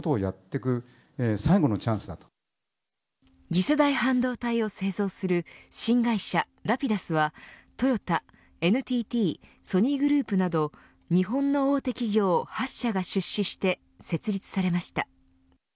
次世代半導体を製造する新会社Ｒａｐｉｄｕｓはトヨタ、ＮＴＴソニーグループなど日本の大手企業８社が出資して設立されました。